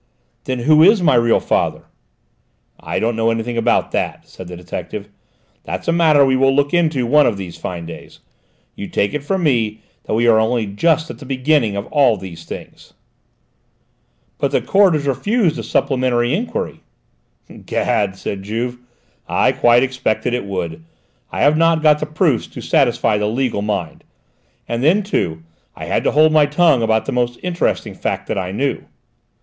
"Then who is my real father?" "I don't know anything about that," said the detective. "That's a matter we will look into one of these fine days! You take it from me that we are only just at the beginning of all these things." "But the Court has refused a supplementary enquiry." "'Gad!" said Juve, "I quite expected it would! I have not got the proofs to satisfy the legal mind; and then, too, I had to hold my tongue about the most interesting fact that I knew."